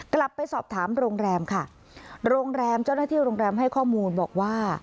กลับไปสอบถามโรงแรมค่ะโรงแรมเจ้าหน้าที่โรงแรมให้ข้อมูลบอกว่า